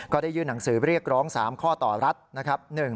ได้ยื่นหนังสือเรียกร้อง๓ข้อต่อรัฐนะครับ